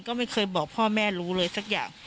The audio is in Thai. ก็ไม่เคยบอกพ่อแม่รู้เลยสักอย่าง